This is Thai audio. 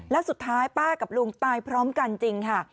และสุดท้ายป้ากับลุงตายพร้อมกันจริงค่ะ